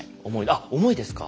あっ重いですか？